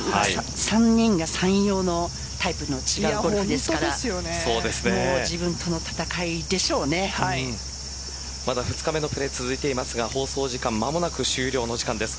３人が三様のタイプの違うゴルフですからまだ２日目のプレー続いていますが放送時間間もなく終了のお時間です。